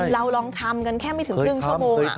เราลองทำกันแค่ไม่ถึงครึ่งชั่วโมง